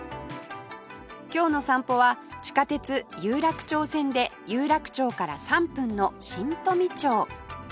今日の散歩は地下鉄有楽町線で有楽町から３分の新富町